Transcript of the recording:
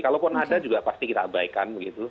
kalaupun ada juga pasti kita abaikan begitu